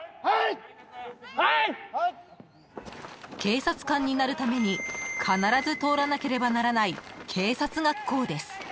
［警察官になるために必ず通らなければならない］